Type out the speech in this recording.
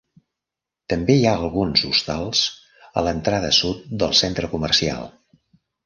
També hi ha alguns hostals a l'entrada sud del centre comercial.